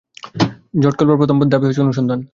জট খোলবার প্রথম ধাপই হচ্ছে অনুসন্ধান।